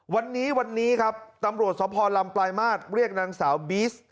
วันนี้วันนี้ครับตำรวจสภลำปลายมาตรเรียกนางสาวบีส